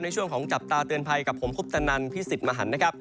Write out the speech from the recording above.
ในช่วงของจับตาเตือนภัยกับผมคุเปื่อนตนันว์พิศสิทธิ์มหันต์นะครับ